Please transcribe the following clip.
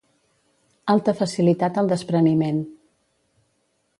Alta facilitat al despreniment.